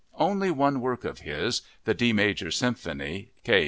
Only one work of his—the D major Symphony (K.